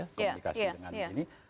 komunikasi dengan ini